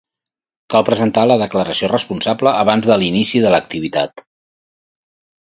Cal presentar la declaració responsable abans de l'inici de l'activitat.